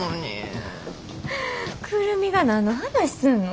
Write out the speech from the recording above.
久留美が何の話すんの？